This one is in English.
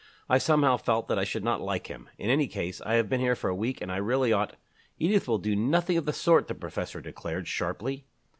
"I somehow felt that I should not like him. In any case, I have been here for a week and I really ought " "Edith will do nothing of the sort," the professor declared, sharply.